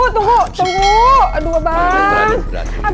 tunggu aduh bang